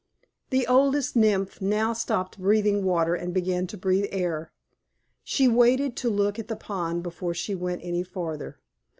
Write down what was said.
The Oldest Nymph now stopped breathing water and began to breathe air. She waited to look at the pond before she went any farther.